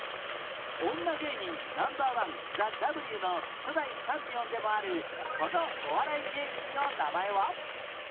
女芸人 Ｎｏ．１ＴＨＥＷ の初代チャンピオンでもあるこのお笑い芸人の名前は？